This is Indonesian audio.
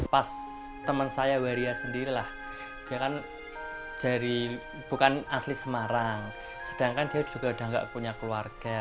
pas teman saya werya sendirilah dia kan bukan asli semarang sedangkan dia juga sudah tidak punya keluarga